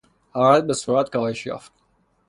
حرارت به سرعت کاهش یافت.